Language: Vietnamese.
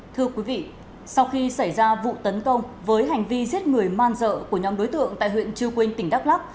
thưa quý vị sau khi xảy ra vụ tấn công với hành vi giết người man dợ của nhóm đối tượng tại huyện chư quynh tỉnh đắk lắc